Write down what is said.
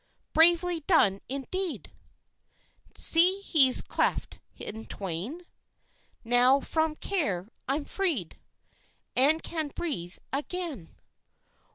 Bravely done, indeed! See, he's cleft in twain! Now from care I'm freed, And can breathe again.